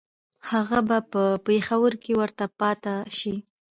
هغه به په پېښور کې ورته پاته شي.